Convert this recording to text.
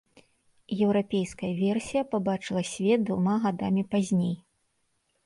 Еўрапейская версія пабачыла свет двума гадамі пазней.